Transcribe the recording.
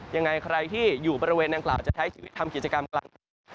ยังไงใครที่อยู่บริเวณนางกล่าวจะใช้ทำกิจกรรมกลางแจ้ง